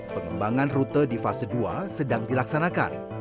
pengembangan rute di fase dua sedang dilaksanakan